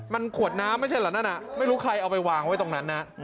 มันขวดน้ำไม่ใช่เหรอนั่นน่ะไม่รู้ใครเอาไปวางไว้ตรงนั้นนะ